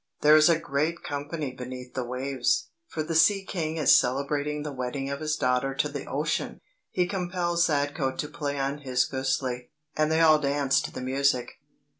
There is a great company beneath the waves, for the Sea King is celebrating the wedding of his daughter to the Ocean. He compels Sadko to play on his gusli, and they all dance to the music.